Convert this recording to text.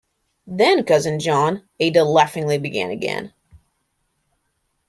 "Then, cousin John —" Ada laughingly began again.